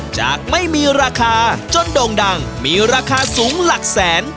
จากไม่มีราคาจนโด่งดังมีราคาสูงหลักแสน